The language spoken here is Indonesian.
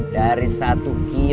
dari satu kios ke kios yang lain